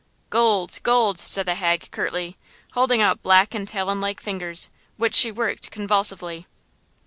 "Gold! gold!" said the hag curtly, holding out black and talon like fingers, which she worked convulsively.